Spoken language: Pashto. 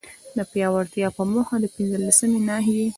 د پياوړتيا په موخه، د پنځلسمي ناحيي